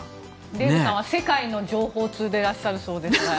デーブさんは世界の情報通でいらっしゃるようですが。